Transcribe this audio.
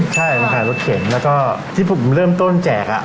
ใช่มาขายรถเข็นแล้วก็ที่ผมเริ่มต้นแจก